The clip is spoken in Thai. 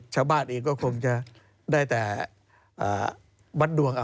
ชาวบ้านเองก็คงจะได้แต่วัดดวง